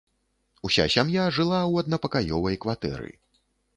Уся сям'я жыла ў аднапакаёвай кватэры.